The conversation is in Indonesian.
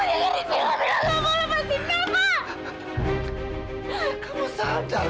bapak jangan disini kamu lepasin lepas